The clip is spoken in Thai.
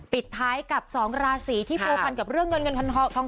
ปิดท้ายกับ๒ราศีที่ปวงพันธ์เรื่องเงินท้อง